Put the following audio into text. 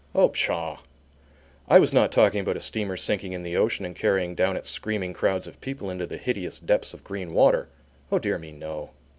Oh, pshaw! I was not talking about a steamer sinking in the ocean and carrying down its screaming crowds of people into the hideous depths of green water. Oh, dear me no!